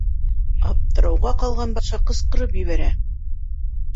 Аптырауға ҡалған батша ҡысҡырып ебәрә: